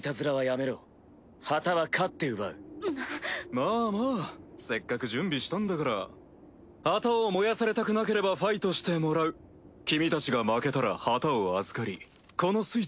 まあまあせっかく準備したんだから旗を燃やされたくなければファイトしてもらうキミ達が負けたら旗を預かりこのスイッチを押す。